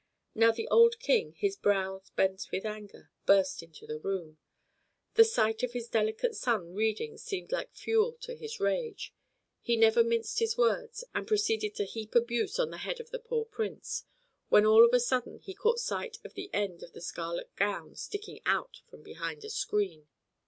Now the old King, his brows bent with anger, burst into the room. The sight of his delicate son reading seemed like fuel to his rage. He never minced his words, and proceeded to heap abuse on the head of the poor Prince, when all of a sudden he caught sight of the end of the scarlet gown sticking out from behind a screen.